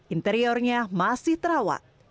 interiornya masih terawat